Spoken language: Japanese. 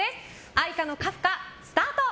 愛花のカフカ、スタート！